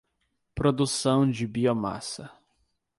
Produção de biomassa